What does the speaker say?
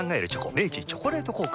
明治「チョコレート効果」